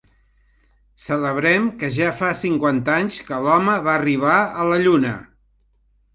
Celebrem que ja fa cinquanta anys que l'home va arribar a la Lluna.